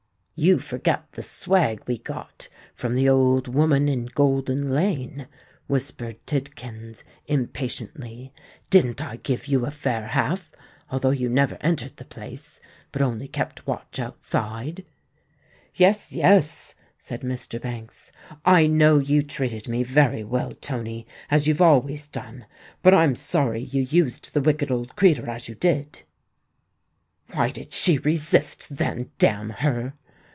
"You forget the swag we got from the old woman in Golden Lane," whispered Tidkins, impatiently. "Didn't I give you a fair half, although you never entered the place, but only kept watch outside?" "Yes—yes," said Mr. Banks; "I know you treated me very well, Tony—as you've always done. But I'm sorry you used the wicked old creetur as you did." "Why did she resist, then, damn her!"